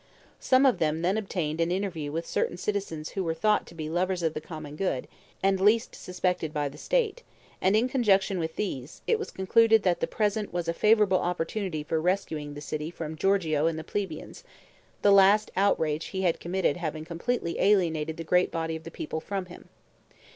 Some of them then obtained an interview with certain citizens who were thought to be lovers of the common good, and least suspected by the state; and in conjunction with these, it was concluded that the present was a favorable opportunity for rescuing the city from Giorgio and the plebeians, the last outrage he had committed having completely alienated the great body of the people from him.